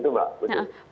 itu mbak putri